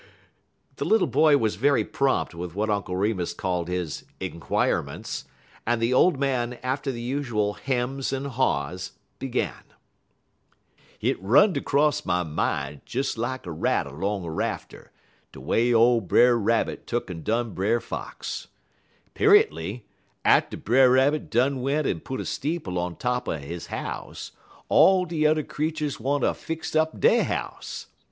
The little boy was very prompt with what Uncle Remus called his "inquirements," and the old man, after the usual "hems" and "haws," began. "Hit run'd 'cross my min' des lak a rat 'long a rafter, de way ole Brer Rabbit tuk'n done Brer Fox. 'Periently, atter Brer Rabbit done went en put a steeple on top er he house, all de yuther creeturs wanter fix up dey house.